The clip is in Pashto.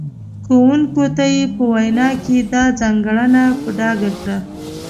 ښوونکو ته یې په وینا کې دا ځانګړنه په ډاګه کړه.